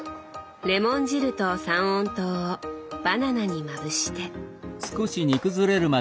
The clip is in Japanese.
レモン汁と三温糖をバナナにまぶして。